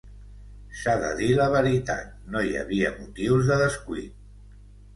S'ha de dir la veritat, no hi havia motius de descuit.